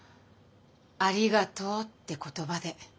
「ありがとう」って言葉で。